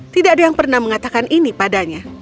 tidak ada yang pernah mengatakan ini padanya